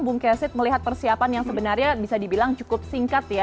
bung kesit melihat persiapan yang sebenarnya bisa dibilang cukup singkat ya